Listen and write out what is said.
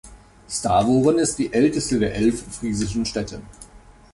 Stavoren ist die älteste der elf friesischen Städte.